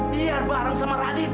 biar bareng sama radit